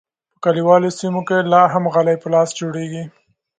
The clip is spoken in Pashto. په کلیوالو سیمو کې لا هم غالۍ په لاس جوړیږي.